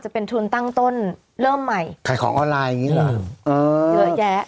ใช้เป็นทุนเอออาทิตย์ต่ออาทิตย์นัก